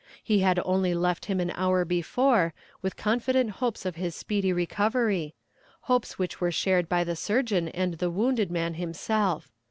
He had only left him an hour before, with confident hopes of his speedy recovery hopes which were shared by the surgeon and the wounded man himself.